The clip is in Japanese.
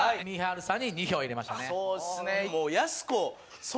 そうっすね